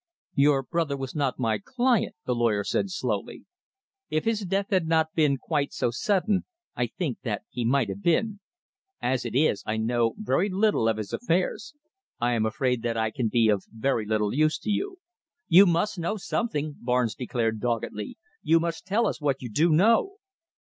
"Your brother was not my client," the lawyer said slowly. "If his death had not been quite so sudden, I think that he might have been. As it is, I know very little of his affairs. I am afraid that I can be of very little use to you." "You must know something," Barnes declared doggedly. "You must tell us what you do know."